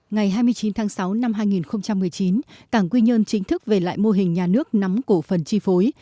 ngày hai mươi chín tháng sáu năm hai nghìn một mươi chín cảng quy nhơn chính thức về lại mô hình nhà nước nắm cổ phần chi phối